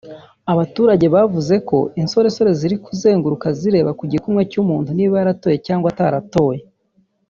Abaturage bavuze ko insoresore ziri kuzenguruka zireba ku gikumwe cy’umuntu niba yaratoye cyangwa ataratoye